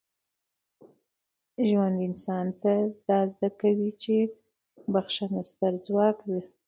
ژوند انسان ته دا زده کوي چي بخښنه ستره ځواک ده.